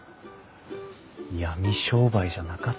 闇商売じゃなかったんだあ。